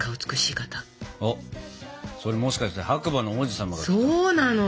それもしかして白馬の王子様が来たの？